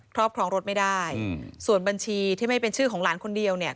รอบครองรถไม่ได้ส่วนบัญชีที่ไม่เป็นชื่อของหลานคนเดียวเนี่ย